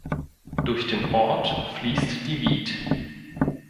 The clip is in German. Durch den Ort fließt die Wied.